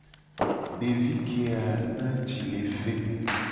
Devi keya na ji le ve mu.